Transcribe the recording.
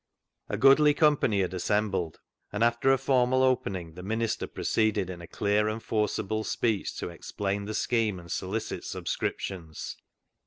A goodly company had assembled, and, after a formal opening, the minister proceeded in a clear and forcible speech to explain the scheme and solicit subscriptions.